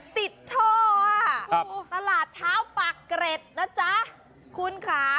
ติดถ้ออ่ะ